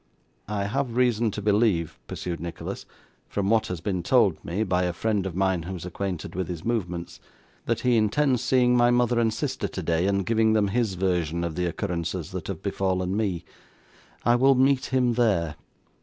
'I have reason to believe,' pursued Nicholas, 'from what has been told me, by a friend of mine who is acquainted with his movements, that he intends seeing my mother and sister today, and giving them his version of the occurrences that have befallen me. I will meet him there.